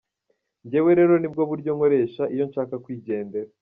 Njyewe rero nibwo buryo nkoresha iyo nshaka kwigendera.